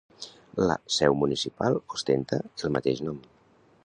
La seu municipal ostenta el mateix nom.